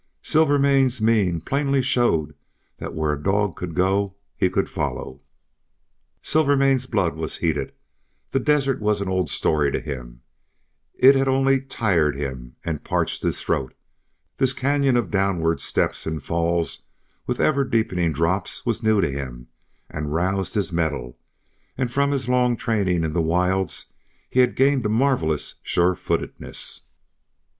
Silvermane's mien plainly showed that where a dog could go he could follow. Silvermane's blood was heated; the desert was an old story to him; it had only tired him and parched his throat; this canyon of downward steps and falls, with ever deepening drops, was new to him, and roused his mettle; and from his long training in the wilds he had gained a marvellous sure footedness.